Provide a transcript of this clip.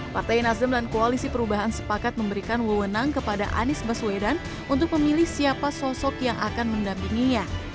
partai nasdem dan koalisi perubahan sepakat memberikan wewenang kepada anies baswedan untuk memilih siapa sosok yang akan mendampinginya